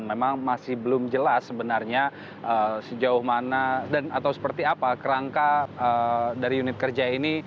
memang masih belum jelas sebenarnya sejauh mana dan atau seperti apa kerangka dari unit kerja ini